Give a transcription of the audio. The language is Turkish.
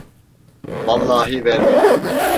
Vallahi vermedi.